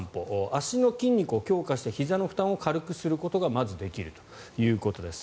足の筋肉を強化してひざの負担を軽くすることがまずできるということです。